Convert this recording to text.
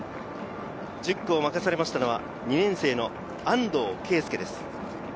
１０区を任されたのは２年生の安藤圭佑です。